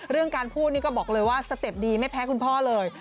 เรื่องการพูดนี่ก็บอกเลยว่าสเต็ปดีไม่แพ้คุณพ่อเลย